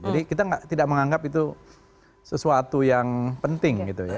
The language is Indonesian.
jadi kita tidak menganggap itu sesuatu yang penting gitu ya